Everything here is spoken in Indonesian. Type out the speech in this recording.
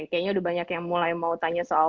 kayaknya udah banyak yang mulai mau tanya soal